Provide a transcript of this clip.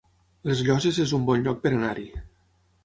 Les Llosses es un bon lloc per anar-hi